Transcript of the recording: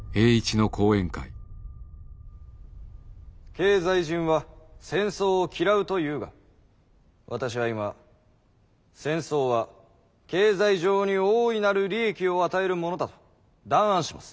経済人は戦争を嫌うというが私は今戦争は経済上に大いなる利益を与えるものだと断案します。